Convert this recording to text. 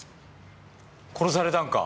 殺されたんか？